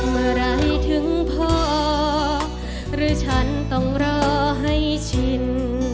เมื่อไหร่ถึงพอหรือฉันต้องรอให้ชิน